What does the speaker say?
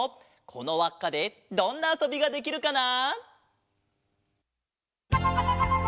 このわっかでどんなあそびができるかな！？